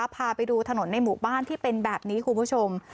พาไปดูถนนในหมู่บ้านที่เป็นแบบนี้คุณผู้ชม